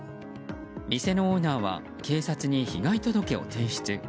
店のオーナーは警察に被害届を提出。